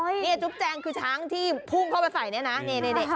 นี่จุ๊บแจงคือช้างที่พุ่งเข้าไปใส่เนี่ยนะนี่